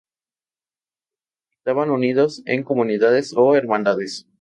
Estaban unidos en comunidades o hermandades.